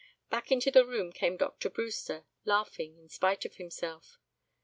Back into the room came Dr. Brewster, laughing in spite of himself.